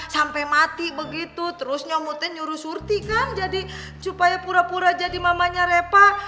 sampai mati begitu terus nyomotin nyuruh surti kan jadi supaya pura pura jadi mamanya repa